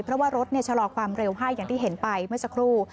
เพราะว่ารถชะลอความเร็วให้อย่างที่เห็นไปเมื่อสักครู่